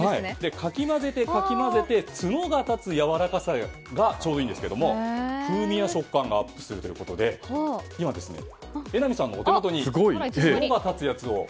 かき混ぜて角が立つやわらかさがちょうどいいんですけど風味や触感がアップするということで今、榎並さんのお手元に角が立つやつを。